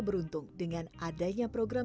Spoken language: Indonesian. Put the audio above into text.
proses pengajuan yang mudah dan juga perubahan